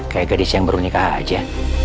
kayak gadis yang baru nikah aja